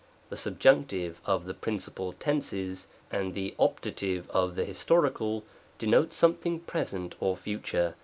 The Subjunctive of the Principal Tenses, and the Opt. of the Historical, denote something present or future.